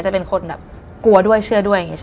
จะเป็นคนแบบกลัวด้วยเชื่อด้วย